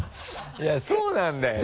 いやそうなんだよね。